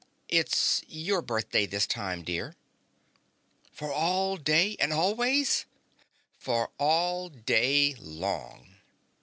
"It's your birthday this time, dear." "For all day and always?" "For all day long."